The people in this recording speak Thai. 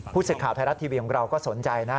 ผู้เศรษฐ์ข่าวไทยรัตน์ทีวีของเราก็สนใจนะ